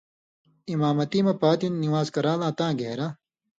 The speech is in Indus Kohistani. اِمامتی مہ پاتیوں نِوان٘ز کران٘لاں تاں گھین٘رہ